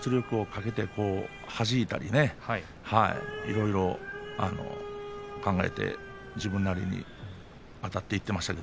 はじいたり、いろいろ考えて自分なりにあたっていきました。